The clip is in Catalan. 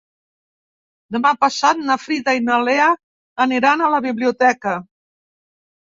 Demà passat na Frida i na Lea aniran a la biblioteca.